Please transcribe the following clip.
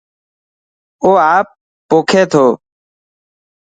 او آپ پوکي ٿو.